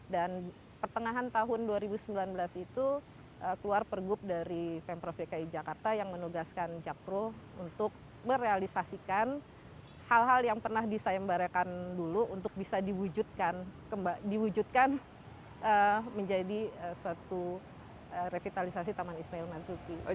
dan pertengahan tahun dua ribu sembilan belas itu keluar pergub dari femprov bki jakarta yang menugaskan japro untuk merealisasikan hal hal yang pernah disaembarkan dulu untuk bisa diwujudkan menjadi suatu revitalisasi taman ismail masyid